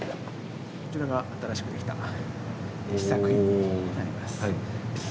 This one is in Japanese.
こちらが新しくできた試作品になります。